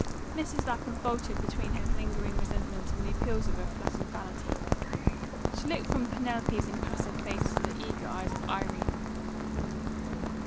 Mrs. Lapham faltered between her lingering resentment and the appeals of her flattered vanity. She looked from Penelope's impassive face to the eager eyes of Irene.